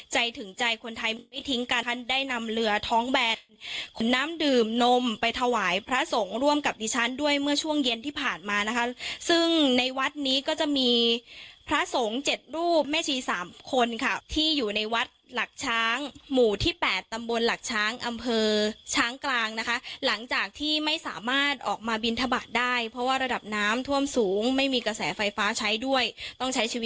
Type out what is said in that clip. ใจถึงใจคนไทยไม่ทิ้งกันได้นำเรือท้องแบนน้ำดื่มนมไปถวายพระสงฆ์ร่วมกับดิฉันด้วยเมื่อช่วงเย็นที่ผ่านมานะคะซึ่งในวัดนี้ก็จะมีพระสงฆ์เจ็ดรูปแม่ชีสามคนค่ะที่อยู่ในวัดหลักช้างหมู่ที่๘ตำบลหลักช้างอำเภอช้างกลางนะคะหลังจากที่ไม่สามารถออกมาบินทบาทได้เพราะว่าระดับน้ำท่วมสูงไม่มีกระแสไฟฟ้าใช้ด้วยต้องใช้ชีวิต